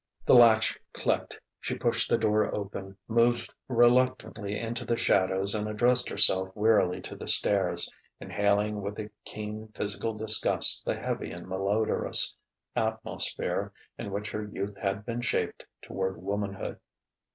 The latch clicked. She pushed the door open, moved reluctantly into the shadows and addressed herself wearily to the stairs, inhaling with a keen physical disgust the heavy and malodorous atmosphere in which her youth had been shaped toward womanhood.